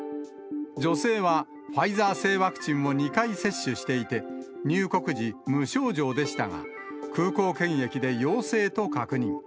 女性はファイザー製ワクチンを２回接種していて、入国時、無症状でしたが、空港検疫で陽性と確認。